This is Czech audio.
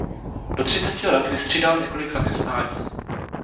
Do třiceti let vystřídal několik zaměstnání.